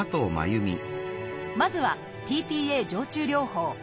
まずは「ｔ−ＰＡ静注療法」。